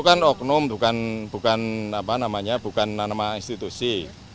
kan oknum bukan apa namanya bukan nama nama institusi